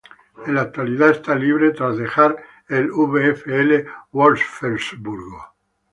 En la actualidad está libre tras dejar el VfL Wolfsburgo.